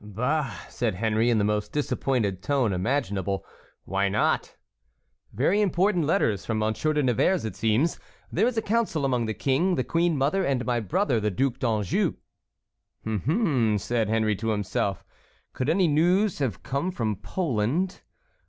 "Bah!" said Henry, in the most disappointed tone imaginable. "Why not?" "Very important letters from Monsieur de Nevers, it seems. There is a council among the King, the queen mother, and my brother the Duc d'Anjou." "Ah! ah!" said Henry to himself, "could any news have come from Poland?"